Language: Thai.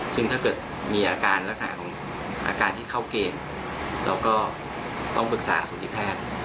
ซึ่งถ้าเกิดมีอาการที่เข้าเกณฑ์เราก็ต้องปรึกษาสุทธิแพทย์